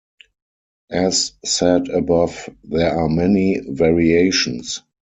As said above, there are many variations.